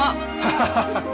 ハハハハ。